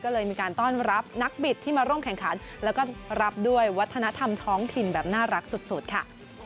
ก็เลยมีการต้อนรับนักบิดที่มาร่วมแข่งขันแล้วก็รับด้วยวัฒนธรรมท้องถิ่นแบบน่ารักสุดค่ะ